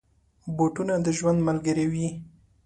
بوټونه د ژوند ملګري وي.